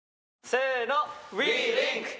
せの！